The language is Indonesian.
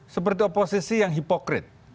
seperti oposisi yang hipokrit